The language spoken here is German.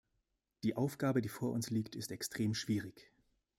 Die Aufgabe, die vor uns liegt, ist extrem schwierig.